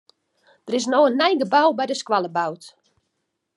Der is no in nij gebou by de skoalle boud.